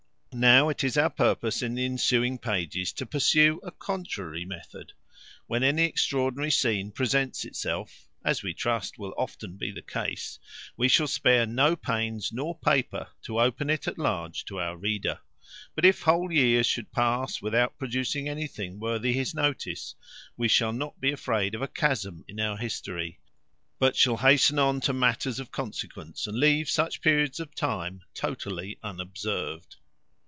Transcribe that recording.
Now it is our purpose, in the ensuing pages, to pursue a contrary method. When any extraordinary scene presents itself (as we trust will often be the case), we shall spare no pains nor paper to open it at large to our reader; but if whole years should pass without producing anything worthy his notice, we shall not be afraid of a chasm in our history; but shall hasten on to matters of consequence, and leave such periods of time totally unobserved.